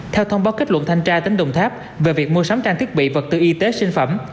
theo thông báo kết luận thanh tra tỉnh đồng tháp về việc mua sắm trang thiết bị vật tư y tế sinh phẩm